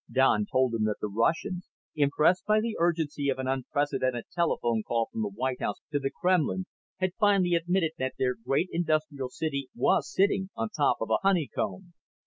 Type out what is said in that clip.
Don told him that the Russians, impressed by the urgency of an unprecedented telephone call from the White House to the Kremlin, had finally admitted that their great industrial city was sitting on top of a honeycomb.